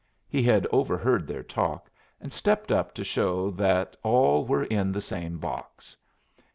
He had overheard their talk, and stepped up to show that all were in the same box.